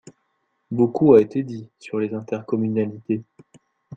Beaucoup a été dit sur les intercommunalités.